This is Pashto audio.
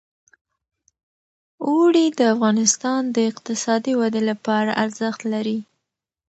اوړي د افغانستان د اقتصادي ودې لپاره ارزښت لري.